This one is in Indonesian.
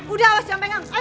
udah awas jangan pengang ayo